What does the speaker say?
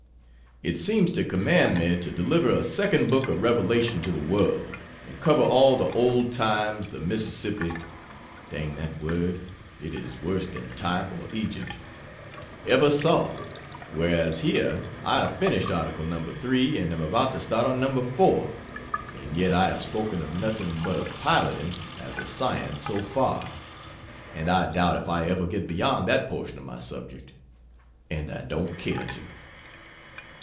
It seems to command me to deliver a Second Book of Revelation to the world, and cover all the Old Times the Mississippi (dang that word, it is worse than "type" or "Egypt ") ever saw whereas here I have finished Article No. III and am about to start on No. 4. and yet I have spoken of nothing but of Piloting as a science so far; and I doubt if I ever get beyond that portion of my subject. And I don't care to.